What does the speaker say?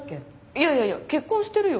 いやいやいや結婚してるよ。